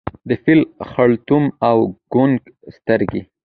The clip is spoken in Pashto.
د فیل خړتوم او کونګ سترګي